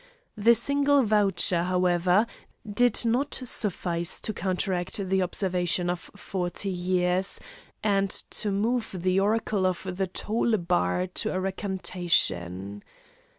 This single voucher, however, did not suffice to counteract the observation of forty years, and to move the oracle of the toll bar to a recantation.